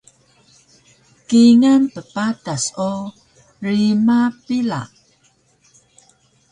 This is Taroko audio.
Kingal ppatas o rima pila